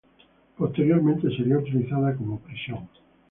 Posteriormente sería utilizada como prisión.